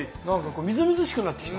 みずみずしくなってきた。